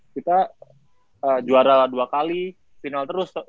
kita juara dua kali final terus